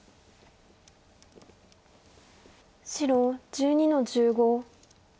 白１２の十五。